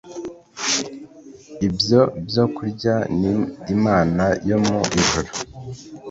ibyo byokurya Ni Imana yo mu ijuru